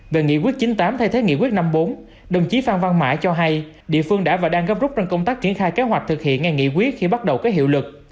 về nghị quyết chín mươi tám thay thế nghị quyết năm mươi bốn đồng chí phan văn mãi cho hay địa phương đã và đang gấp rút trong công tác triển khai kế hoạch thực hiện ngay nghị quyết khi bắt đầu có hiệu lực